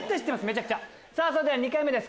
それでは２回目です